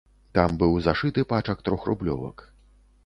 Там быў зашыты пачак трохрублёвак.